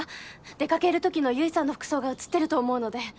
出かける時の結衣さんの服装が映ってると思うので。